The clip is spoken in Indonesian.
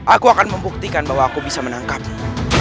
aku akan membuktikan bahwa aku bisa menangkapmu